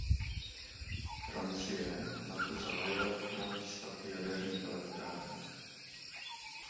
Francie na to zahájila program výstavby jaderných elektráren.